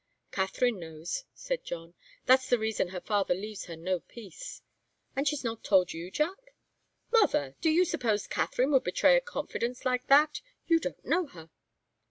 "Katharine knows," said John. "That's the reason her father leaves her no peace." "And she's not told you, Jack?" "Mother! Do you suppose Katharine would betray a confidence like that? You don't know her!"